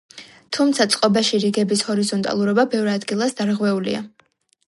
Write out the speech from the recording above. თუმცა, წყობაში რიგების ჰორიზონტალურობა ბევრ ადგილას დარღვეულია.